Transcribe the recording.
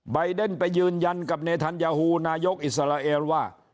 เดนไปยืนยันกับเนธัญญาฮูนายกอิสราเอลว่า